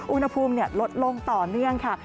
อุณหภูมิลดลงต่อเนื่องค่ะ